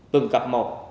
từng cặp một